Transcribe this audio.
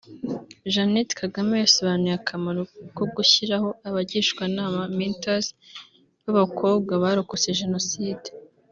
Jeannette Kagame yasobanuye akamaro ko gushyiraho abagishwanama (mentors) b’abakobwa barokotse Jenoside